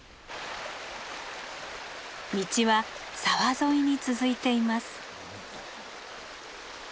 道は沢沿いに続いています。